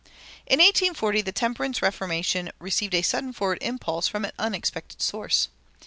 [288:1] In 1840 the temperance reformation received a sudden forward impulse from an unexpected source.